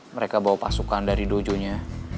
mereka bawa pasukan dari dojo nya